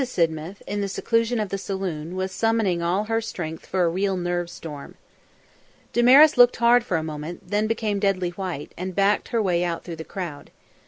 Sidmouth, in the seclusion of the saloon, was summoning all her strength for a real nerve storm. Damaris looked hard for a moment, then became deadly white, and backed her way out through the crowd.